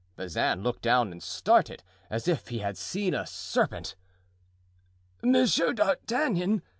Bazin looked down and started, as if he had seen a serpent. "Monsieur d'Artagnan!"